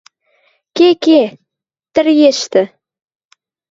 – Ке, ке, тӹргештӹ...